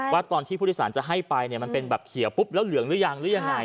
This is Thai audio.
ว่าตอนที่ผู้โดยสารจะให้ไปเนี่ยมันเป็นแบบเขียวปุ๊บแล้วเหลืองหรือยังหรือยังไง